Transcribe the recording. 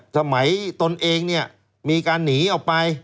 สมัยตนเองมีการหนีออกไป